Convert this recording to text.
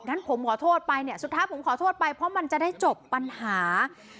งั้นผมขอโทษไปเนี่ยสุดท้ายผมขอโทษไปเพราะมันจะได้จบปัญหา